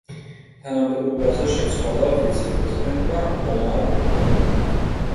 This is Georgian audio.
თანამდებობაზე შეცვალა ვიცე-პრეზიდენტმა ომარ ბონგომ.